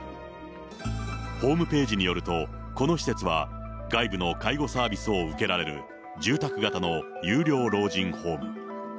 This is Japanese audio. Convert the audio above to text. ホームページによると、この施設は、外部の介護サービスを受けられる住宅型の有料老人ホーム。